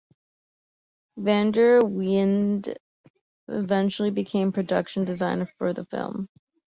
Vander Wende eventually became production designer for the film.